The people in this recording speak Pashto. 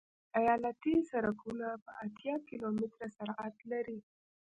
ایالتي سرکونه هم اتیا کیلومتره سرعت لري